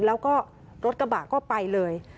แล้วก็รถกระบะก็ไปเลย